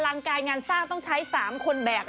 ลังกายงานสร้างต้องใช้๓คนแบก